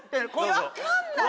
分かんないのよ！